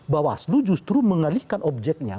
bahwa aslu justru mengalihkan objeknya